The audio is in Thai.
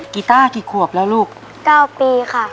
กีต้ากี่ขวบแล้วลูกเก้าปีค่ะ